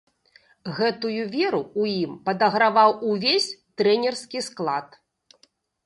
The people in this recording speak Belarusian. Гэтую веру ў ім падаграваў увесь трэнерскі склад.